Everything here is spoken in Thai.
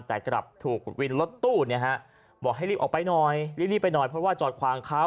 แต่กลับถูกวินรถตู้บอกให้รีบออกไปหน่อยรีบไปหน่อยเพราะว่าจอดขวางเขา